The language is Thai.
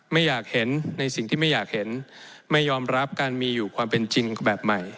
ไม่อยากเห็นในสิ่งที่ไม่อยากเห็นไม่ยอมรับการมีอยู่ความเป็นจริงแบบใหม่